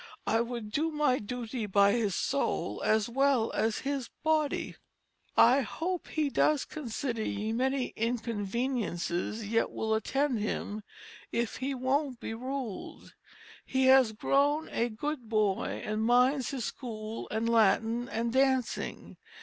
I would do my duty by his soul as well as his body.... I hope he does consider ye many inconveniences yt will attend him if he wont be ruled. He has grown a good boy and minds his School and Lattin and Dancing.